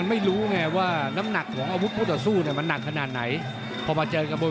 แห้งกวาสูงนะครับ